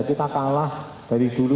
ini masalah dari dulu